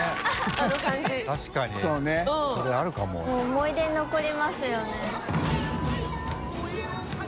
思い出に残りますよね。